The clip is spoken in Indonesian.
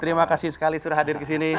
terima kasih sekali sudah hadir kesini